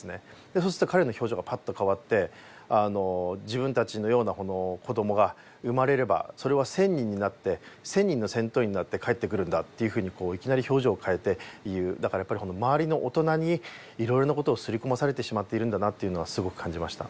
そうすると彼の表情がパッと変わって自分たちのような子どもが生まれればそれは１０００人になって１０００人の戦闘員になって帰ってくるんだっていうふうにいきなり表情を変えて言うだからやっぱり周りの大人に色々なことをすり込まされてしまっているんだなっていうのはすごく感じました